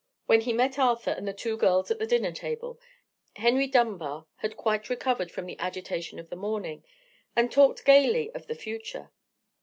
When he met Arthur and the two girls at the dinner table, Henry Dunbar had quite recovered from the agitation of the morning, and talked gaily of the future.